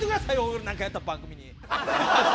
俺なんかやったら番組に。